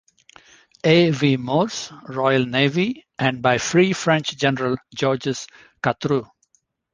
A. V. Morse, Royal Navy, and by Free French General Georges Catroux.